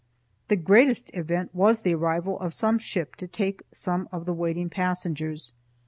The greatest event was the arrival of some ship to take some of the waiting passengers.